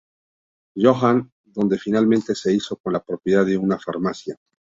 Johann, donde finalmente se hizo con la propiedad de una farmacia.